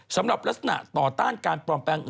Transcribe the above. สำหรับลักษณะต่อต้านการปลอมแปลงอื่น